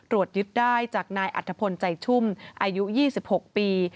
ยึดได้จากนายอัฐพลใจชุ่มอายุ๒๖ปี